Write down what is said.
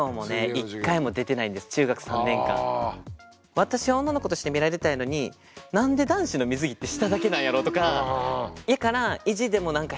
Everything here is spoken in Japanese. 私は女の子として見られたいのに何で男子の水着って下だけなんやろうとか。